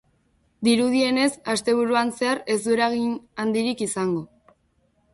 Dirudienez, asteburuan zehar ez du eragin handirik izango.